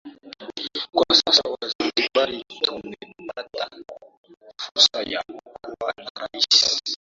kwa sasa Wazanzibari tumepata fursa ya kuwa na Rais